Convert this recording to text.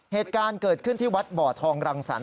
เหตุการณ์เกิดขึ้นที่วัดบ่อทองรังสรรค